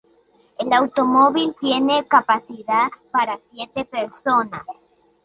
El automóvil tiene capacidad para siete personas.